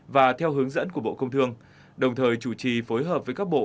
và theo hướng dẫn của bộ công thương đồng thời chủ trì phối hợp với các bộ